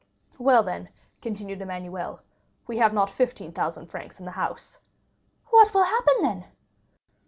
"Well, then," continued Emmanuel, "we have not fifteen thousand francs in the house." "What will happen then?"